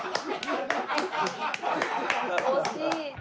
惜しい！